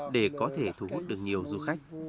để có thể thu hút được nhiều du khách